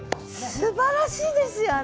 すばらしいですよあなた！